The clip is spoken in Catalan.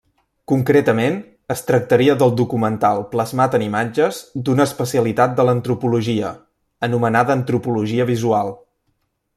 Concretament, es tractaria del documental plasmat en imatges d'una especialitat de l'antropologia, anomenada antropologia visual.